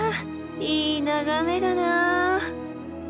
いい眺めだな。